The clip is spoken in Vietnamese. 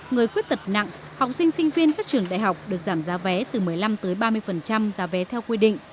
người khuyết tật nặng học sinh sinh viên các trường đại học được giảm giá vé từ một mươi năm tới ba mươi